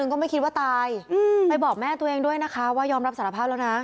ก็ไม่คิดว่าตายไปบอกแม่ตัวเองด้วยนะคะว่ายอมรับสารภาพแล้วนะ